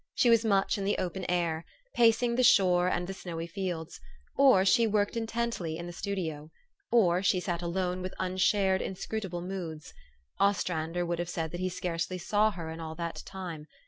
She was much in the open air, pacing the shore and the snowy fields ; or she worked intently in the studio ; or she sat alone with unshared, inscrutable moods. Ostrander would have said that he scarcely saw her in all that time.